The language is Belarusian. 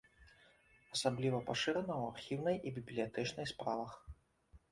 Асабліва пашырана ў архіўнай і бібліятэчнай справах.